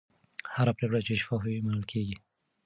هره پرېکړه چې شفافه وي، منل کېږي.